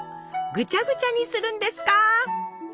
ぐちゃぐちゃにするんですか？